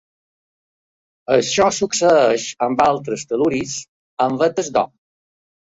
Això succeeix amb altres tel·luris en vetes d'or.